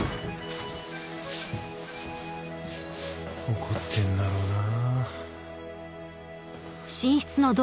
怒ってんだろうなあ。